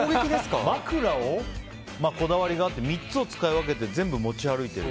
枕をこだわりがあって３つを使い分けて全部持ち歩いてる。